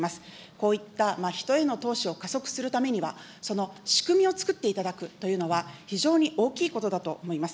こういった人への投資を加速するためには、その仕組みを作っていただくというのは、非常に大きいことだと思います。